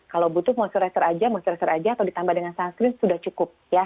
kalau butuh moisturizer aja moisturizer aja atau ditambah dengan sunscreen sudah cukup